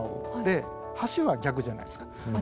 橋は逆じゃないですか。